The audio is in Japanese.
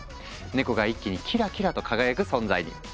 ネコが一気にキラキラと輝く存在に！